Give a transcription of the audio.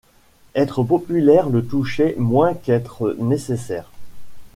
Être populaire le touchait moins qu’être nécessaire.